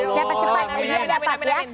siapa cepat dapat ya